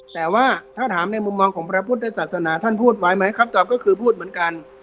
แต่ว่าถ้าถามในมุมมองของพระพุทธศาสนาท่านพูดไว้ไหมคำตอบก็คือพูดเหมือนกัน